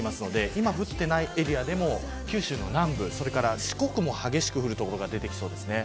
今降っていないエリアでも九州の南部それから四国も激しく降る所が出てきます。